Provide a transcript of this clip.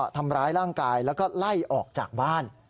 ทำร้ายร่างกายแล้วก็ไล่ออกจากบ้าน